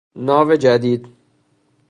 ناو جدید